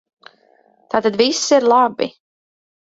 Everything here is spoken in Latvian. Tātad viss ir labi.